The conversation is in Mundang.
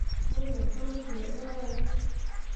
Mo gah vãã fǝ̃ǝ̃ ruahra.